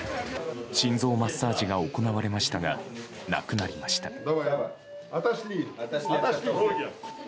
心臓マッサージが行われましたが亡くなりました。